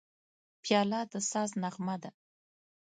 پیاله د ساز نغمه ده.